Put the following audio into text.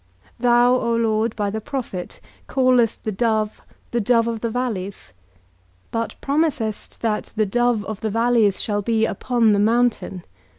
Thou, O Lord, by the prophet, callest the dove the dove of the valleys, but promisest that the dove of the valleys shall be upon the mountain.